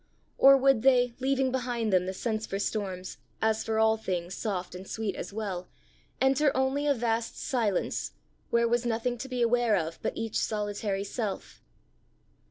or would they, leaving behind them the sense for storms, as for all things soft and sweet as well, enter only a vast silence, where was nothing to be aware of but each solitary self?